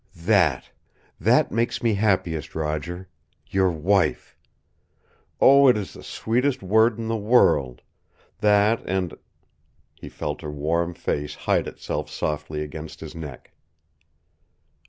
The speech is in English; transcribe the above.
"That that makes me happiest, Roger. Your WIFE. Oh, it is the sweetest word in the world, that and " He felt her warm face hide itself softly against his neck.